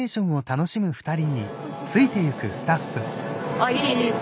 あっいいいい。